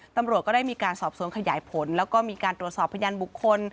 ตำรวจก็ได้มีการสอบสวนขยายผลแล้วก็มีการตรวจสอบพยานบุคคล